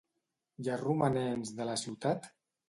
Hi ha romanents de la ciutat?